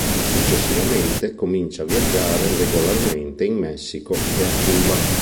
Successivamente comincia a viaggiare regolarmente in Messico e a Cuba.